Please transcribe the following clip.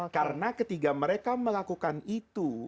karena ketika mereka melakukan itu